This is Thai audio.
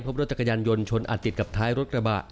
พบรถจักรยานยนต์ชนอาจติดกับท้ายรถกระบะ